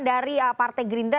dari partai gerinda